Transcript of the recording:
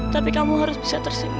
tapi kamu harus bisa tersimpan